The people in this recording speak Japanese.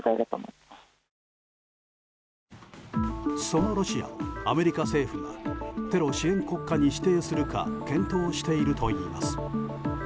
そのロシアをアメリカ政府がテロ支援国家に指定するか検討しているといいます。